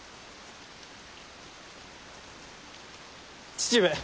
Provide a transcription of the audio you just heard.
父上。